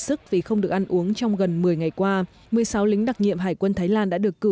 sức vì không được ăn uống trong gần một mươi ngày qua một mươi sáu lính đặc nhiệm hải quân thái lan đã được cử